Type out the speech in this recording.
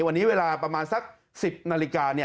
วันนี้เวลาประมาณสัก๑๐นาฬิกา